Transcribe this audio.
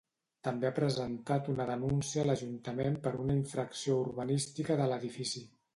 També ha presentat una denúncia a l'Ajuntament per una infracció urbanística de l'edifici.